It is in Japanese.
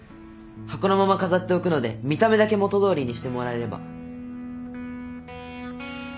箱のまま飾っておくので見た目だけ元通りにしてもらえれば